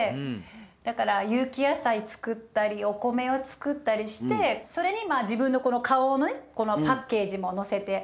だから有機野菜作ったりお米を作ったりしてそれに自分のこの顔のねパッケージも載せて。